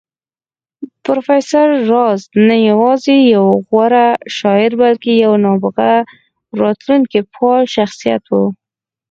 پروفېسر راز نه يوازې يو غوره شاعر بلکې يو نابغه راتلونکی پال شخصيت و